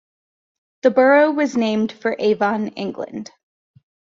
The borough was named for Avon, England.